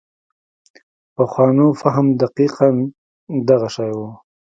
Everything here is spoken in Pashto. پخوانو فهم دقیقاً دغه شی و.